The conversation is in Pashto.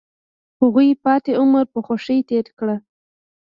هغوی پاتې عمر په خوښۍ تیر کړ.